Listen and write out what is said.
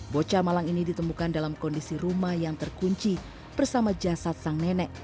bocah malang ini ditemukan dalam kondisi rumah yang terkunci bersama jasad sang nenek